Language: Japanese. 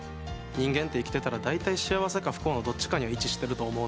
人間って生きてたらだいたい幸せか不幸のどっちかには位置してると思うので。